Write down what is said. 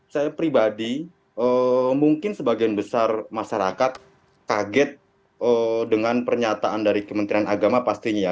saya pribadi mungkin sebagian besar masyarakat kaget dengan pernyataan dari kementerian agama pastinya ya